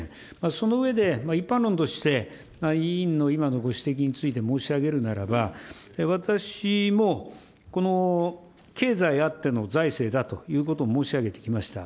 その上で、一般論として委員の今のご指摘について申し上げるならば、私もこの経済あっての財政だということを申し上げてきました。